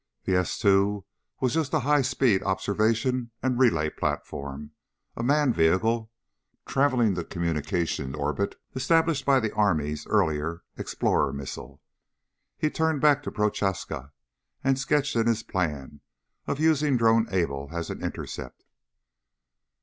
The S two was just a high speed observation and relay platform; a manned vehicle traveling the communication orbit established by the Army's earlier Explorer missiles. He turned back to Prochaska and sketched in his plan of using Drone Able as an intercept.